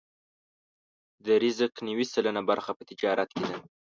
د رزق نوې سلنه برخه په تجارت کې ده.